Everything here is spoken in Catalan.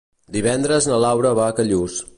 Divendres na Laura va a Callús.